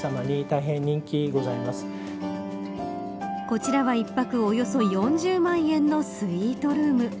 こちらは１泊およそ４０万円のスイートルーム。